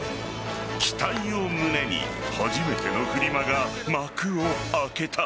期待を胸に初めてのフリマが幕を開けた。